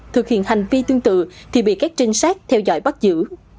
thực hiện hành vi tương tự thì bị các trinh sát theo dõi bắt giữ